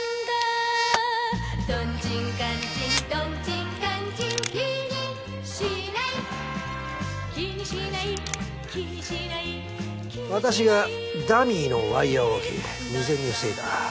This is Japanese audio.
言う私がダミーのワイヤーを置き未然に防いだ。